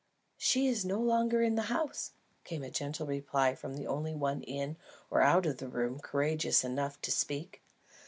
"She is no longer in the house," came in gentle reply from the only one in or out of the room courageous enough to speak.